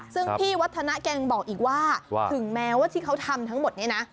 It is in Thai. ซึ่งพี่วัฒนะแกยังบอกอีกว่าถึงแม้ว่าที่เขาทำทั้งหมดนี้นะ